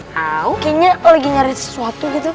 wow kayaknya lagi nyari sesuatu gitu